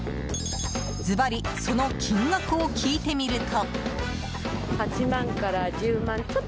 ズバリその金額を聞いてみると。